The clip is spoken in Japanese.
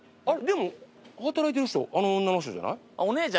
でも働いてる人あの女の人じゃない？